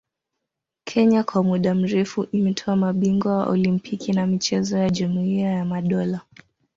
Kenya kwa muda mrefu imetoa mabingwa wa Olimpiki na michezo ya Jumuia ya Madola